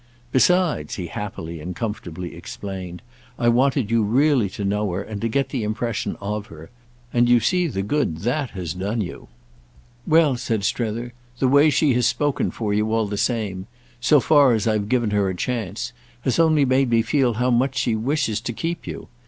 Besides," he happily and comfortably explained, "I wanted you really to know her and to get the impression of her—and you see the good that has done you." "Well," said Strether, "the way she has spoken for you, all the same—so far as I've given her a chance—has only made me feel how much she wishes to keep you.